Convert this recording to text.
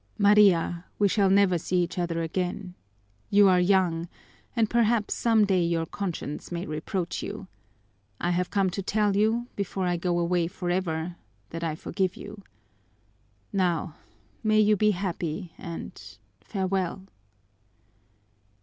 Maria, we shall never see each other again you are young and perhaps some day your conscience may reproach you I have come to tell you, before I go away forever, that I forgive you. Now, may you be happy and farewell!"